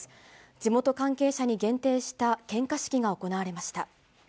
地元関係者に限定した献花式が行われました。